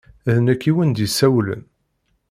D nekk i wen-d-yessawlen.